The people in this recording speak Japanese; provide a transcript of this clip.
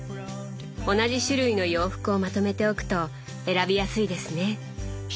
同じ種類の洋服をまとめておくと選びやすいですね。